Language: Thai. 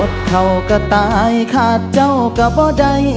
เขาก็ตายขาดเจ้าก็บ่ใด